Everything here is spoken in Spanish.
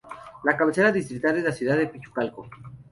Su cabecera distrital es la Ciudad de Pichucalco.